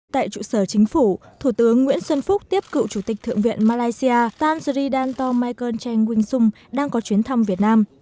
tại trụ sở chính phủ thủ tướng nguyễn xuân phúc tiếp cựu chủ tịch thượng viện malaysia tan sri dantong michael cheng wing sung đang có chuyến thăm việt nam